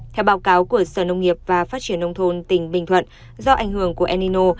theo báo cáo của sở nông nghiệp và phát triển nông thôn tỉnh bình thuận do ảnh hưởng của enino